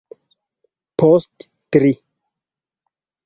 Post tri...